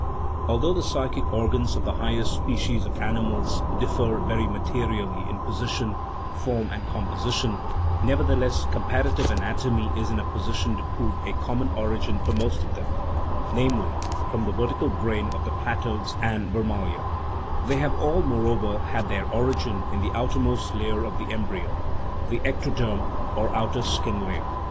* Although the psychic organs of the higher species of animals differ very materially in position, form, and composition, nevertheless comparative anatomy is in a position to prove a common origin for most of them namely, from the vertical brain of the platodes and vermalia; they have all, moreover, had their origin in the outermost layer of the embryo, the ectoderm, or outer skin layer.